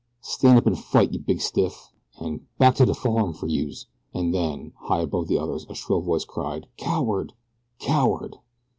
"Stan' up an' fight, yeh big stiff!" and "Back to de farm fer youse!" and then, high above the others a shrill voice cried "Coward! Coward!"